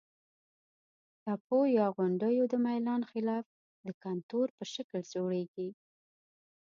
تپو یا غونډیو د میلان خلاف د کنتور په شکل سره جوړیږي.